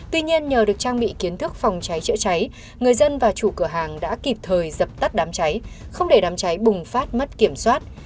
tuy nhiên nhờ được trang bị kiến thức phòng cháy chữa cháy người dân và chủ cửa hàng đã kịp thời dập tắt đám cháy không để đám cháy bùng phát mất kiểm soát